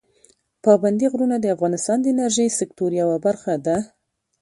پابندي غرونه د افغانستان د انرژۍ سکتور یوه برخه ده.